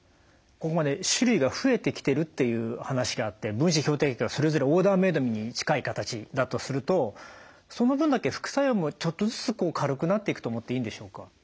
ここまで種類が増えてきてるっていう話があって分子標的薬がそれぞれオーダーメードに近い形だとするとその分だけ副作用もちょっとずつ軽くなっていくと思っていいんでしょうか？